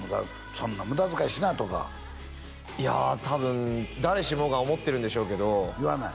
「そんな無駄遣いすな」とかいや多分誰しもが思ってるんでしょうけど言わない？